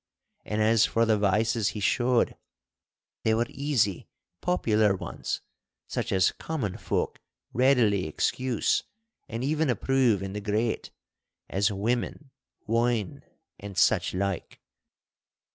And as for the vices he showed, they were easy, popular ones, such as common folk readily excuse and even approve in the great—as women, wine, and such like.